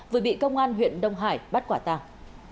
vừa bị công an huyện đông hải bắt quả tàng